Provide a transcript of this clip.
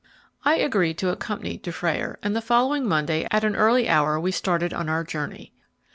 I agreed to accompany Dufrayer, and the following Monday, at an early hour, we started on our journey.